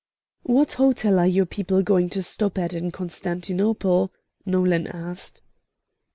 "What hotel are your people going to stop at in Constantinople?" Nolan asked.